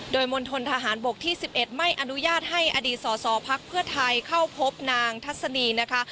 โดยมณฑนทหารบกที่๑๑ไม่อนุญาตให้อดีตสอสอพักเพื่อไทยเข้าพบนางทัศนีนะคะ